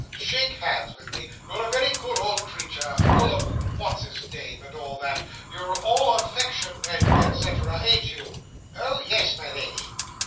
Shake hands with me. You're a very good old creature—full of what's his name—and all that. You're all affection and et cetera, ain't you?" "Oh, yes, my Lady!"